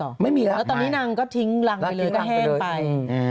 ไม่มีแล้วแล้วตอนนี้นางก็ทิ้งรังไปเลยก็แห้งไป